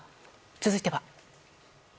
続いては。